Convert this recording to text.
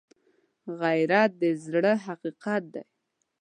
غیرت د زړه حقیقت دی